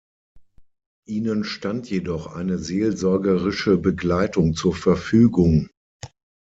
Ihnen stand jedoch eine seelsorgerische Begleitung zur Verfügung.